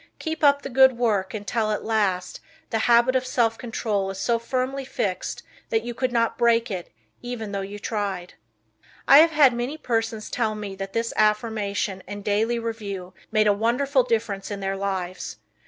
Keep up the good work until, at last, the habit of self control is so firmly fixed that you could not break it even though you tried. I have had many persons tell me that this affirmation and daily review made a wonderful difference in their lives.